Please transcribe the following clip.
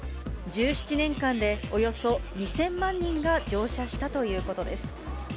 １７年間でおよそ２０００万人が乗車したということです。